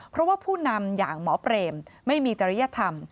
เพราะว่าผู้นำอย่างหมอเปรมไม่มีจริยธรรม